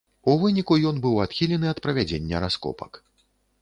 У выніку ён быў адхілены ад правядзення раскопак.